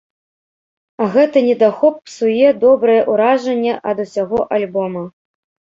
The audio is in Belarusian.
А гэты недахоп псуе добрае ўражанне ад усяго альбома.